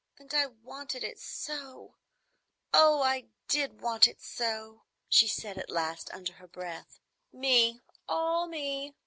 "And I wanted it so! Oh, I did want it so!" she said at last, under her breath. "Me,—all me!"